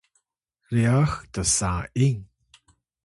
ryax tsa’ing